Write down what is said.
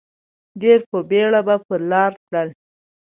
ډېر په بېړه به پر لار تلل.